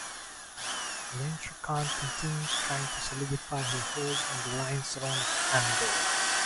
Elayne Trakand continues trying to solidify her hold on the Lion Throne of Andor.